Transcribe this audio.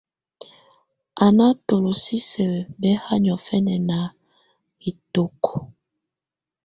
Á nà tolosisǝ́ bɛ̀haà niɔ̀fɛna nà hikoto.